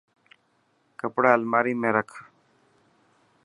ڪپڙا الماري ۾ رک.